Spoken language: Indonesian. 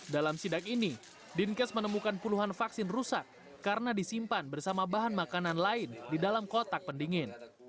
dalam sidak ini dinkes menemukan puluhan vaksin rusak karena disimpan bersama bahan makanan lain di dalam kotak pendingin